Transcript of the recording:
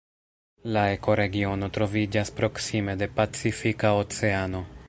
La ekoregiono troviĝas proksime de Pacifika Oceano.